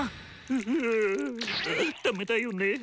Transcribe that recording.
ううダメだよね。